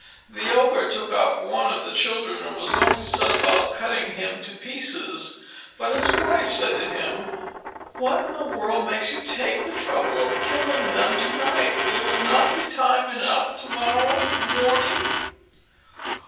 The Ogre took up one of the children, and was going to set about cutting him to pieces; but his wife said to him, "What in the world makes you take the trouble of killing them to night? Will it not be time enough to morrow morning?"